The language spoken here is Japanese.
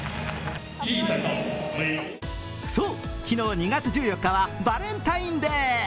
そう、昨日２月１４日はバレンタインデー。